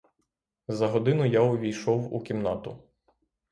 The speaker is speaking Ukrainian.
За годину я увійшов у кімнату.